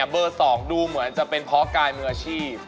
เบอร์๒ดูเหมือนจะเป็นเพราะกายมืออาชีพ